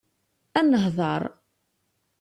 Ad nehḍeṛ.